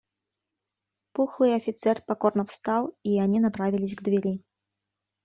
Пухлый офицер покорно встал, и они направились к двери.